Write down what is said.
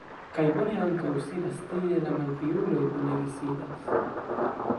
Kaj bone ankaŭ sidas tie la malpiuloj, bonege sidas!